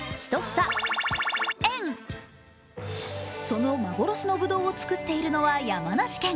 その幻のぶどうを作っているのは山梨県。